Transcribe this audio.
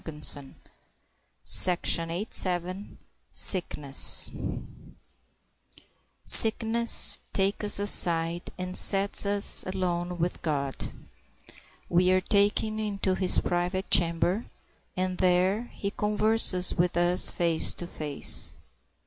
[Illustration: SICKNESS.] Sickness takes us aside and sets us alone with God. We are taken into his private chamber, and there he converses with us face to face.